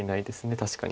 確かに。